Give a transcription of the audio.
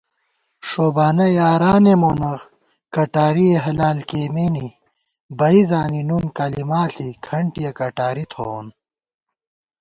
ݭوبانہ یارانے مونہ کٹارِئےحلال کېئیمېنے بئ زانی نُن کَلِما ݪی کھنٹِیَہ کٹاری تھووون